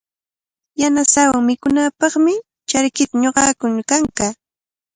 Yanasaawan mikunaapaqmi charkita ñuqakuna kankaa.